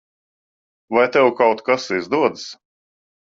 Vai tev kaut kas izdodas?